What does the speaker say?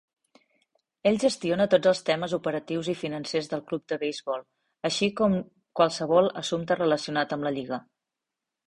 Ell gestiona tots els temes operatius i financers del club de beisbol, així com qualsevol assumpte relacionat amb la lliga.